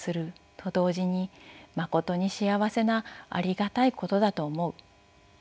と同時にまことに幸せなありがたいことだと思う」。